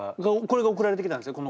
これが送られてきたんですね？